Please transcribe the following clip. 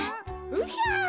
うひゃ。